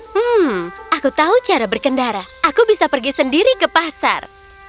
hmm aku tahu cara berkendara aku bisa pergi sendiri ke pasar